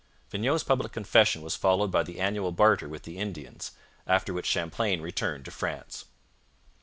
Vignau's public confession was followed by the annual barter with the Indians, after which Champlain returned to France.